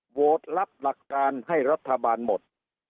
โหวตรับหลักการให้รัฐบาลหมด